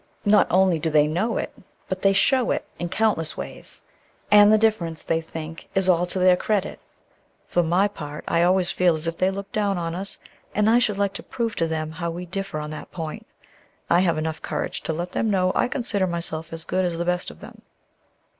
Not only do they know it, but they show it in countless ways; and the difference, they think, is all to their credit. For my part, I always feel as if they looked down on us, and I should like to prove to them how we differ on that point. I have enough courage to let them know I consider myself as good as the best of them."